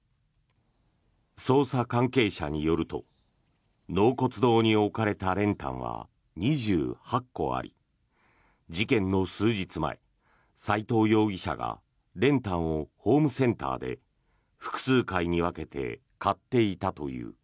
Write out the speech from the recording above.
捜査関係者によると納骨堂に置かれた練炭は２８個あり事件の数日前、齋藤容疑者が練炭をホームセンターで複数回に分けて買っていたという。